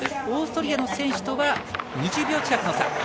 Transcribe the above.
オーストリアの選手とは２０秒近くの差。